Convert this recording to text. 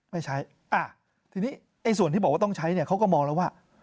ไม่ใช้ทีนี้ไอ้ส่วนที่บอกว่าต้องใช้เนี่ยเขาก็มองแล้วว่า